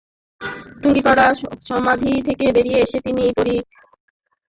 টুঙ্গিপাড়ার সমাধি থেকে বেরিয়ে এসে তিনি পরিব্যাপ্ত হয়ে রয়েছেন সারা বাংলাদেশে।